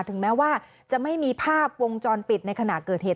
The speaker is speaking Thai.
ถึงแม้ว่าจะไม่มีภาพวงจรปิดในขณะเกิดเหตุ